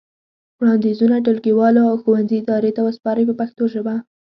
وړاندیزونه ټولګیوالو او ښوونځي ادارې ته وسپارئ په پښتو ژبه.